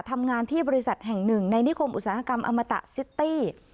ทำงานที่บริษัทแห่งหนึ่งในนิคมอุตสาหกรรมอมตะซิตี้